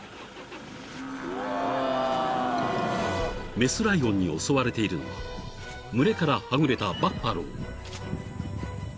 ［雌ライオンに襲われているのは群れからはぐれたバファロー］